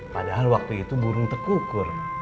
padahal waktu itu burung terkukur